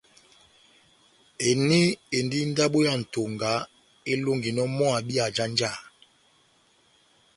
Eni endi ndabo ya Ntonga elonginɔ mɔ́ abi ajanjaha.